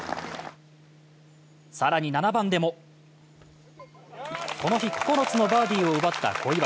更に７番でもこの日９つのバーディーを奪った小祝。